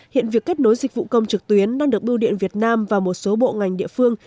hiện việc kết nối dịch vụ công trực tuyến đang được bưu điện việt nam và một số bộ ngành địa phương